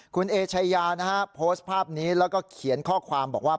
คุณเอชายานะฮะโพสต์ภาพนี้แล้วก็เขียนข้อความบอกว่า